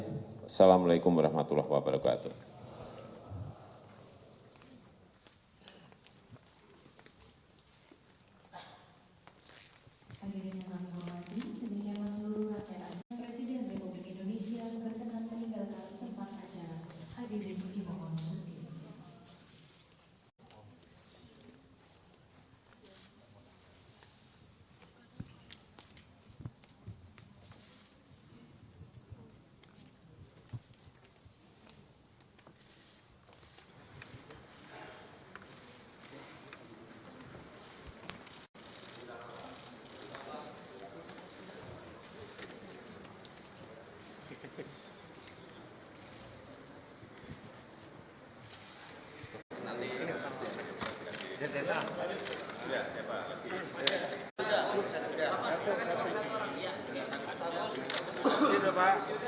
wassalamu'alaikum warahmatullahi wabarakatuh